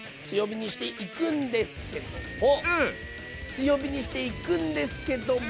強火にしていくんですけども。